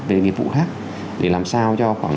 về nghiệp vụ khác để làm sao cho khoảng